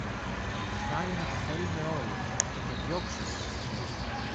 Φθάνει να το θέλομε όλοι, και θα διώξουμε τον εχθρό.